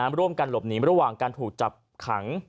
ร่วมกันหลบหนีระหว่างการถูกจับขัง